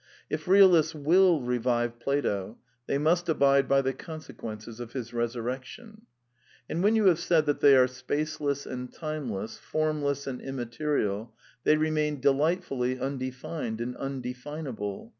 (If realists will revive Plato, they must abide by the consequences of his resurrection.) And when you have said that they are spaceless and timeless, formless and immaterial, they remain delight fully undefined and undefinable.